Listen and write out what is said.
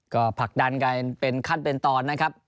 ก็ผลักดันกันเป็นขั้นเป็นตอนนะครับ